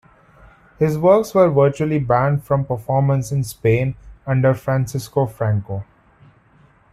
His works were virtually banned from performance in Spain under Francisco Franco.